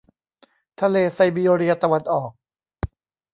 ทะเลไซบีเรียตะวันออก